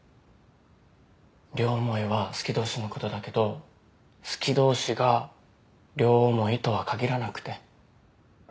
両思いは好き同士のことだけど好き同士が両思いとは限らなくて。